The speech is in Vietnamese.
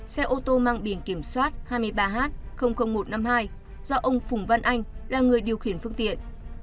xe ô tô mang biển kiểm soát hai mươi ba h một trăm năm mươi hai do ông phùng văn anh là người điều khiển phương tiện